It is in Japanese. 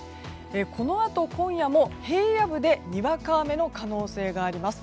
このあと今夜も平野部でにわか雨の可能性があります。